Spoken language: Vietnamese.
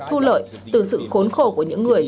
thu lợi từ sự khốn khổ của những người